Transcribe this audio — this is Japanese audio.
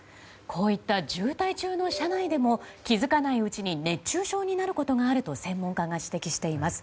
こういった渋滞中の車内でも気づかないうちに熱中症になることがあると専門家が指摘しています。